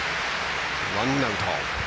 ワンアウト。